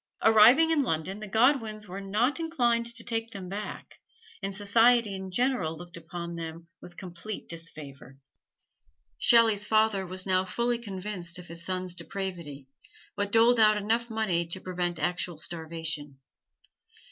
Arriving in London the Godwins were not inclined to take them back, and society in general looked upon them with complete disfavor. Shelley's father was now fully convinced of his son's depravity, but doled out enough money to prevent actual starvation.